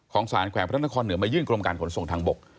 สารแขวงพระนครเหนือมายื่นกรมการขนส่งทางบก